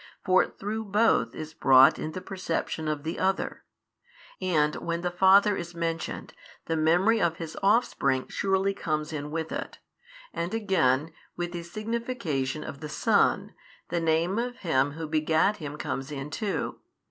For through Both is brought in the perception of the Other: and when the Father is mentioned, the memory of His Offspring surely comes in with it, and again with the signification of the Son, the Name of Him Who begat Him comes in too.